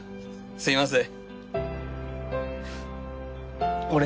すみません。